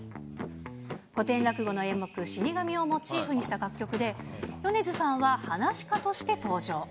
古典落語の演目、死神をモチーフにした楽曲で、米津さんははなし家として登場。